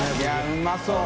うまそう。